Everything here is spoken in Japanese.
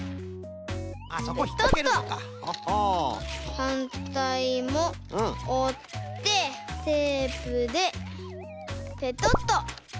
はんたいもおってテープでペトッと。